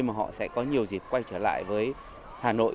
mà họ sẽ có nhiều dịp quay trở lại với hà nội